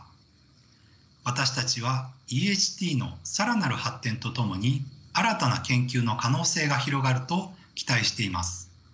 私たちはＥＨＴの更なる発展とともに新たな研究の可能性が広がると期待しています。